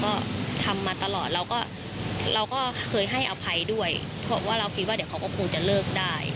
ก็ทำมาตลอดเราก็เราก็เคยให้อภัยด้วยเพราะว่าเราคิดว่าเดี๋ยวเขาก็คงจะเลิกได้